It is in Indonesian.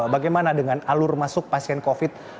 bagaimana dengan alur masuk pasien covid